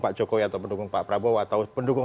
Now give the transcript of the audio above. pak jokowi atau pendukung pak prabowo atau pendukung